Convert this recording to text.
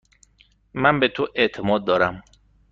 من به تو اعتماد دارم.